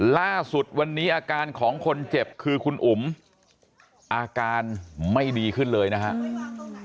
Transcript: ล่าสุดวันนี้อาการของคนเจ็บคือคุณอุ๋มอาการไม่ดีขึ้นเลยนะครับ